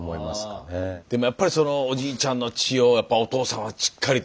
でもやっぱりそのおじいちゃんの血をお父さんはしっかりと。